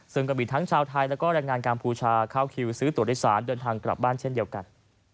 ซึ่งก็มีทั้งชาวไทยแล้วก็แรงงานกัมพูชาเข้าคิวซื้อตัวโดยสารเดินทางกลับบ้านเช่นเดียวกัน